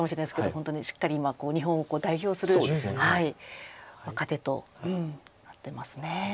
本当にしっかり今日本を代表する若手となってますね。